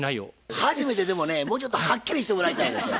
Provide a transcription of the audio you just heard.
初めてでもねもうちょっとはっきりしてもらいたいんですわ。